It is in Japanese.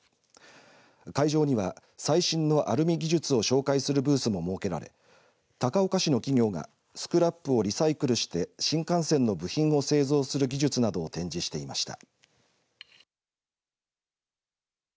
会場には最新のアルミ技術を紹介するブースも設けられ高岡市の企業がスクラップをリサイクルして新幹線の部品を製造する技術などを展示していました。